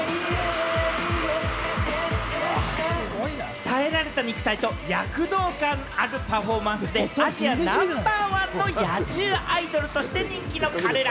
鍛えられた肉体と躍動感あるパフォーマンスで、アジアナンバーワンの野獣アイドルとして人気の彼ら。